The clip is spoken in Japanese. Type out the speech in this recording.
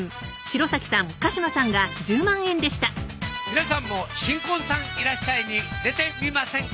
皆さんも新婚さんいらっしゃい！に出てみませんか？